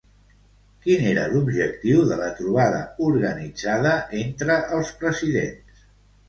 Quin era l'objectiu de la trobada organitzada entre els presidents?